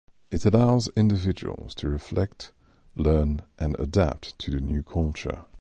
It allows individuals to reflect, learn, and adapt to the new culture.